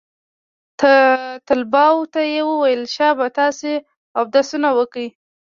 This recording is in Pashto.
طلباو ته يې وويل شابه تاسې اودسونه وكئ.